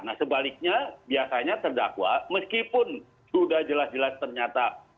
nah sebaliknya biasanya terdakwa meskipun sudah jelas jelas ternyata